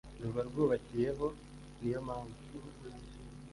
ruba rwubakiyeho, niyo mpamvu